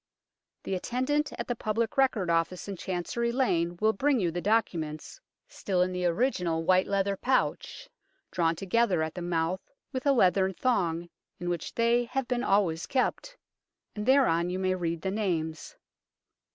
The attendant at the Public Record Office in Chancery Lane will bring you the docu ments, still in the original white leather pouch, drawn together at the mouth with a leathern thong, in which they have been always kept, and thereon you may read the names.